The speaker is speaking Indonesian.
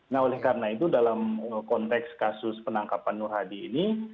nah oleh karena itu dalam konteks kasus penangkapan nur hadi ini